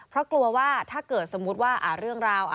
เพราะกลัวว่าถ้าเกิดสมมุติว่าเรื่องราว